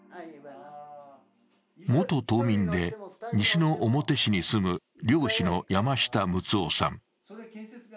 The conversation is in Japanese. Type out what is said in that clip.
元島民で西之表市に住む漁師の山下六男さん。